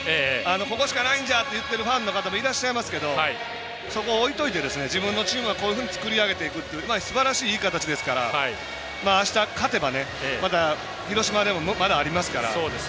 ここしかないんじゃ！と言ってるファンの方もいらっしゃいますけどそこは置いといて自分のチームはこういうふうに作り上げていくというすばらしい、いい形ですからあしたまだ勝てばね広島、まだありますから。